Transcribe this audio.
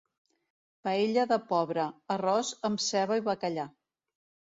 Paella de pobre: arròs amb ceba i bacallà.